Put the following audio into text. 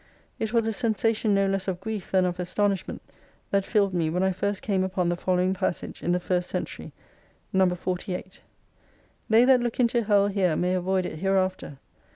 It was a sensation no less of grief than of astonishment that filled me when I first came upon the following passage in the first " Century " (No. 48) :—" They that look into Hell here may avoid it hereafter.